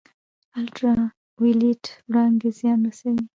الټرا وایلیټ وړانګې زیان رسوي